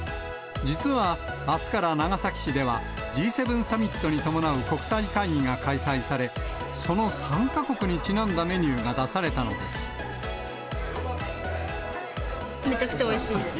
実は、あすから長崎市では、Ｇ７サミットに伴う国際会議が開催され、その参加国にちなんだメめちゃくちゃおいしいです。